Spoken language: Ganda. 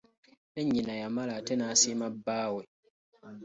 Ne nnyina yamala ate n'asiima bbaawe.